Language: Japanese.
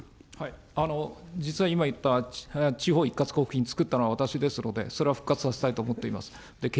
実は今言った、地方一括交付金、つくったのは私ですので、それは復活させたいと思っています。